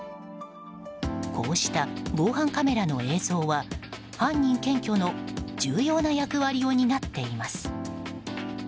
こうした防犯カメラの映像は犯人検挙の重要な役割を担っています。